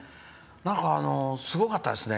なんかすごかったですね。